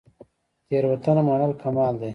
تیروتنه منل کمال دی